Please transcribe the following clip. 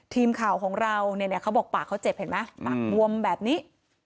ทีมข่าวของเราเนี่ยเขาบอกปากเขาเจ็บเห็นไหมปากบวมแบบนี้